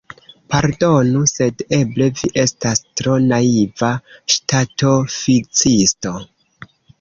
Pardonu, sed eble vi estas tro naiva ŝtatoficisto!